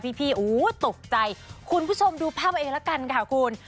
พี่พี่อู๋ตกใจคุณผู้ชมดูภาพมาเองแล้วกันค่ะคุณ